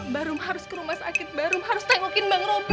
ba saya harus ke rumah sakit ba saya harus melihat bang robi